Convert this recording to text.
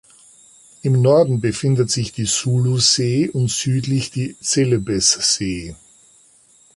Im Norden befindet sich die Sulusee und südlich die Celebessee.